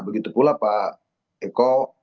begitu pula pak eko